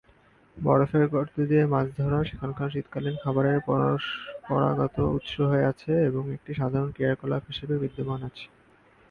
বরফের গর্ত দিয়ে মাঝ ধরা, সেখানকার শীতকালীন খাবারের পরম্পরাগত উৎস হয়ে আছে এবং একটি সাধারণ ক্রিয়াকলাপ হিসাবে বিদ্যমান আছে।